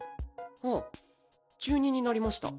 はぁ中２になりました。